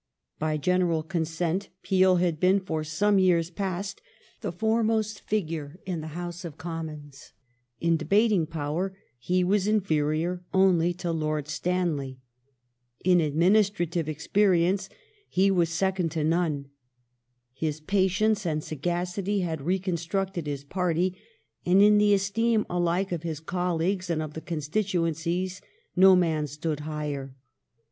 By general consent Peel had been, for some years past, the foremost figure in the House of Commons ; in debating power he was inferior only to Lord Stanley ; in administrative ex perience he was second to none ; his patience and sagacity had re constructed his party, and in the esteem alike of his colleagues and of the constituencies no man stood higher.